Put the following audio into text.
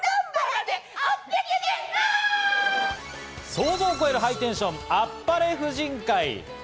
想像を超えるハイテンション、あっぱれ婦人会。